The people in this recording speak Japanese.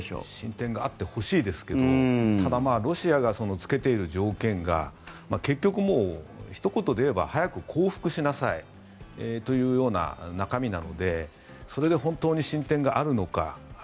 進展があってほしいですけどただ、ロシアがつけている条件が結局、ひと言で言えば早く降伏しなさいという中身なのでそれで本当に進展があるのか